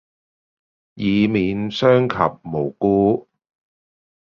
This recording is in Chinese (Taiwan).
以避免傷及無辜